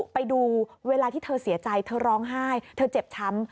ไปดูเวลาที่เธอเสียใจเธอร้องไห้เธอเจ็บช้ำ